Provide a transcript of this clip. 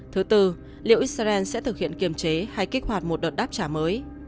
thứ tư liệu israel sẽ thực hiện kiềm chế hay kích hoạt một đợt đáp trả mới